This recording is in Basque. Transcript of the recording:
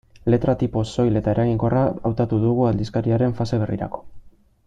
Letra-tipo soil eta eraginkorra hautatu dugu aldizkariaren fase berrirako.